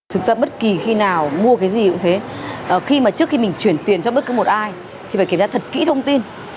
thực ra bất kỳ khi nào mua cái gì cũng thế trước khi mình chuyển tiền cho bất cứ một ai thì phải kiểm tra thật kỹ thông tin